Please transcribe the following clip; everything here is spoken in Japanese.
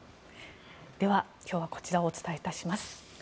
では今日はこちらをお伝えいたします。